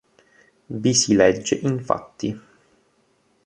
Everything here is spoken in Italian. Vi si legge infatti